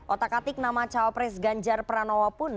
otak atik nama cawapres ganjar pranowo pun